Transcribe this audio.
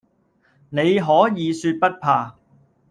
你可以說不怕